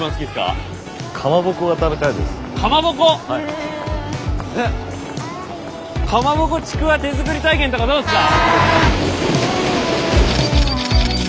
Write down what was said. かまぼこちくわ手づくり体験とかどうですか？